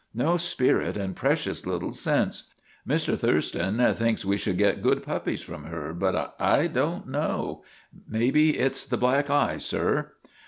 No spirit and precious little sense. Mr. Thurston thinks we should get good puppies from her, but I don't know. May be it 's the black eye, sir.'